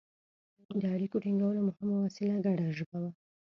د اړیکو ټینګولو مهمه وسیله ګډه ژبه وه